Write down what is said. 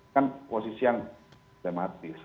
kan posisi yang sistematis